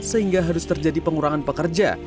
sehingga harus terjadi pengurangan pekerja